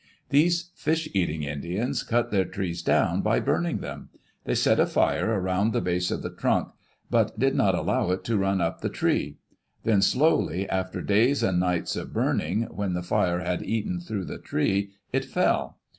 These fish eating Indians cut their trees down by burning them. They set a fire around the base of the trunk, but did not allow it to run up the tree. Then slowly, after days and nights of burning, when the fire had eaten through the tree, it fell.